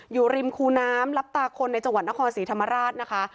อยู่ริมคูน้ำลับตาคนในจังหวัดนครศรีธรรมราชนะคะ